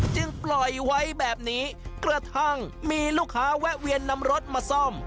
ปล่อยไว้แบบนี้กระทั่งมีลูกค้าแวะเวียนนำรถมาซ่อม